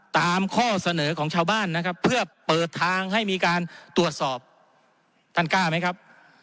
ตามข้อเสนอของชาวบ้านนะครับเพื่อเปิดทางให้มีการตรวจสอบท่านกล้าไหมครับ